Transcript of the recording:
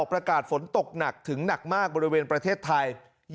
ประกาศฝนตกหนักถึงหนักมากบริเวณประเทศไทย